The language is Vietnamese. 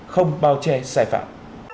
không bao che sai phạm